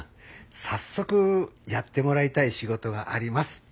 早速やってもらいたい仕事があります。